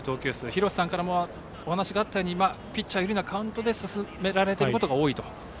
廣瀬さんからお話があったようにピッチャー有利なカウントで進められていることが多いと。